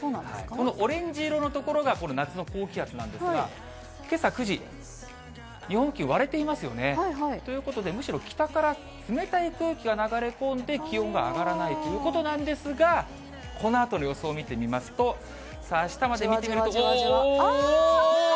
このオレンジ色の所がこの夏の高気圧なんですが、けさ９時、日本付近、割れていますよね。ということで、むしろ北から冷たい空気が流れ込んで、気温が上がらないということなんですが、このあとの予想見てみますと、さあ、あしたまで見てみると。